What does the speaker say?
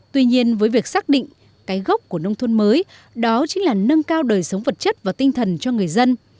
tuy nhiên với việc xác định cái gốc của nông thôn mới đó chính là nâng cao đời sống vật chất và tinh thần cho người dân